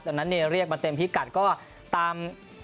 ตอนนั้นเรียกมาเต็มพลิกกัดก็ตาม